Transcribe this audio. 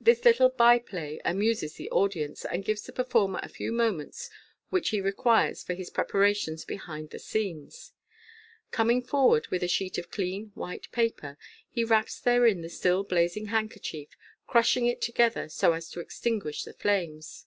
This little by play amuses the audience, and gives the performer the few moments which he requires for his preparations behind the scenes. Coming forward with a sheet of clean white paper, he wraps therein the still blazing handkerchief, crushing it together so as to extinguish the flames.